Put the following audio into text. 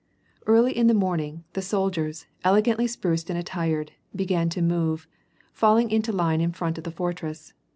Early in the morning, the soldiers, elegantly spruced and attired, began to move, falling into line in front of the fortress.